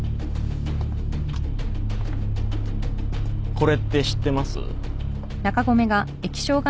これって知ってます？